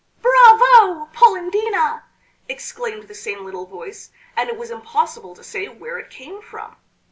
"Bravo, Polendina!" exclaimed the same little voice, and it was impossible to say where it came from.